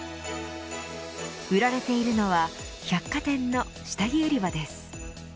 売られているのは百貨店の下着売り場です。